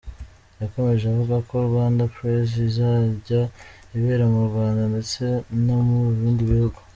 Yakomeje avuga ko Rwandan Praise izajya ibera mu Rwanda ndetse no mu bindi bihugu.